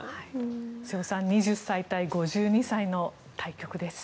瀬尾さん２０歳対５２歳の対局です。